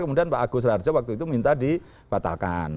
kemudian pak agus rarja waktu itu minta dibatalkan